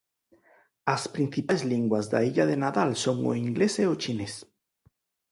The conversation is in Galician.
As principais linguas da Illa de Nadal son o inglés e chinés.